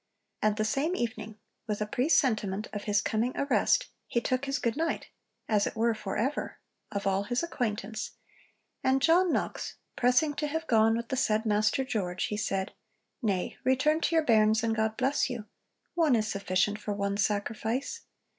And the same evening, with a presentiment of his coming arrest, he 'took his good night, as it were for ever,' of all his acquaintance, and 'John Knox pressing to have gone with the said Master George, he said, "Nay, return to your bairns, and God bless you! One is sufficient for one sacrifice."